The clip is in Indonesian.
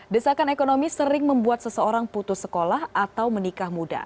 desakan ekonomi sering membuat seseorang putus sekolah atau menikah muda